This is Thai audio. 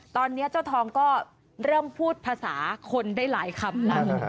ตอนนี้เจ้าทองก็เริ่มพูดภาษาคนได้หลายคำแล้ว